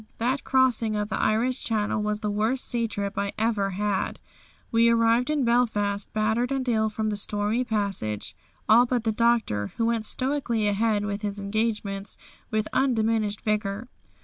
That crossing of the Irish Channel was the worst sea trip I ever had. We arrived in Belfast battered and ill from the stormy passage, all but the Doctor, who went stoically ahead with his engagements with undiminished vigour.